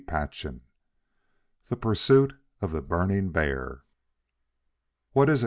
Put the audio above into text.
CHAPTER V THE PURSUIT OF THE BURNING BEAR "What is it?"